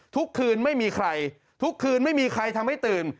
ทุกคืนไม่มีใครทุกคืนไม่มีใครทำให้ตื่น